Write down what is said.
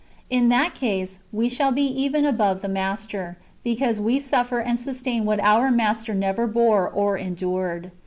[In that case] we shall be even above the Master, because we suffer and sustain what our Master never bore or endured.